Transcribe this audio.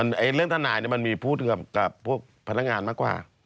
เรื่องทนายมันมีพูดกับพวกพนักงานมากกว่า